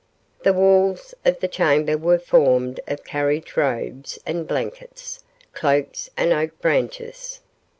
The walls of the chamber were formed of carriage robes and blankets, cloaks and oak branches.